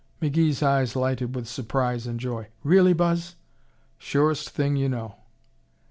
McGee's eyes lighted with surprise and joy. "Really, Buzz?" "Surest thing you know!"